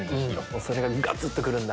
それがガツっとくるんだ。